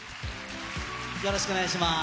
よろしくお願いします。